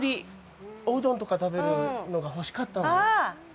おうどんとか食べるのが欲しかったの。